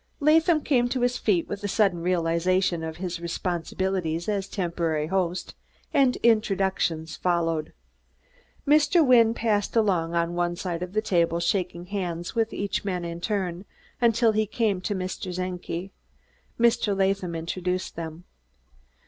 Latham came to his feet with a sudden realization of his responsibilities as a temporary host, and introductions followed. Mr. Wynne passed along on one side of the table, shaking hands with each man in turn until he came to Mr. Czenki. Mr. Latham introduced them.